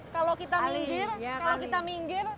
kalau kita minggir kalau kita minggir